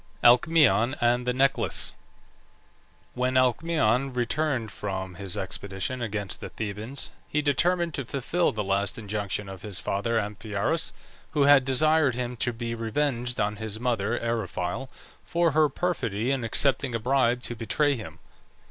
ALCMAEON AND THE NECKLACE. When Alcmaeon returned from his expedition against the Thebans he determined to fulfil the last injunction of his father Amphiaraus, who had desired him to be revenged on his mother Eriphyle for her perfidy in accepting a bribe to betray him.